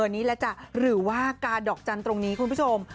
นี่แหละจ้ะหรือว่ากาดอกจันทร์ตรงนี้คุณผู้ชม